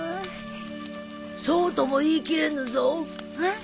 ・そうとも言い切れぬぞ。うん？